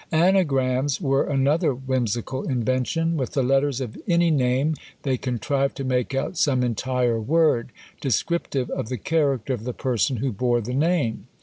Anagrams were another whimsical invention; with the letters of any name they contrived to make out some entire word, descriptive of the character of the person who bore the name.